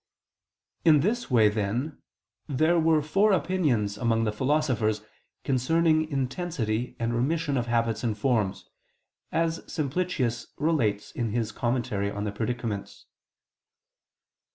In this way, then, there were four opinions among philosophers concerning intensity and remission of habits and forms, as Simplicius relates in his _Commentary on the Predicaments.